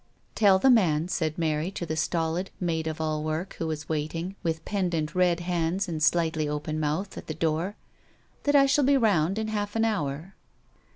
"Tell the man," said Mary to the stolid maid of all work, who was waiting with pend 253 254 THE 8T0RT OF A MODERN WOMAN. ent red hands and slightly open mouth at the door, " that I shall be round in half an hour."